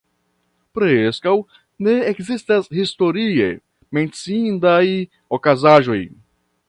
Preskaŭ ne ekzistas historie menciindaj okazaĵoj.